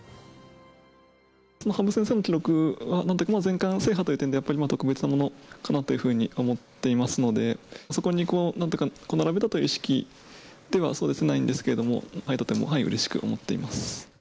羽生先生の記録は全冠制覇というところで、やっぱり特別なものかなというふうに思っていますので、そこに並べたという意識はないんですけども、とてもうれしく思っています。